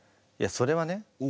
いやそれはね